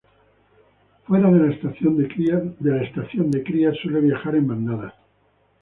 Fuera de la estación de cría, suele viajar en bandadas.